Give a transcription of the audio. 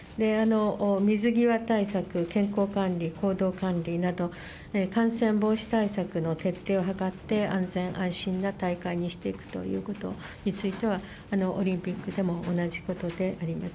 水際対策、健康管理、行動管理など、感染防止対策の徹底を図って、安全安心な大会にしていくということについては、オリンピックでも同じことであります。